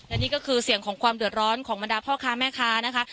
และนี่ก็คือเสียงของความเดือดร้อนของบรรดาพ่อค้าแม่ค้านะคะ